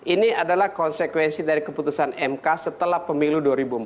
ini adalah konsekuensi dari keputusan mk setelah pemilu dua ribu empat belas